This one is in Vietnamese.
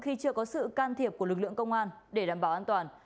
khi chưa có sự can thiệp của lực lượng công an để đảm bảo an toàn